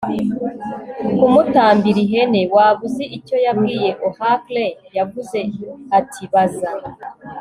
kumutambira ihene. 'waba uzi icyo yabwiye oracle? yavuze ati 'baza